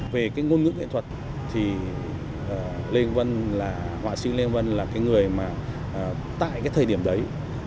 về cái ngôn ngữ nghệ thuật họa sĩ lê vân là người mà tại cái thời điểm đấy